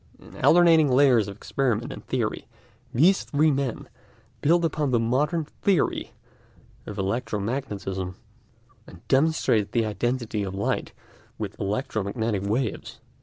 In alternating layers of experiment and theory these three men built up the modern theory of electromagnetism, and demonstrated the identity of light with electromagnetic waves.